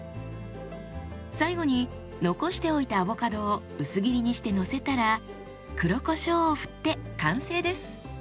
最後に残しておいたアボカドを薄切りにしてのせたら黒こしょうを振って完成です。